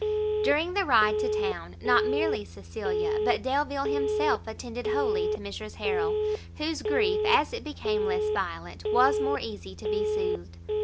During the ride to town, not merely Cecilia, but Delvile himself attended wholly to Mrs Harrel, whose grief as it became less violent, was more easy to be soothed.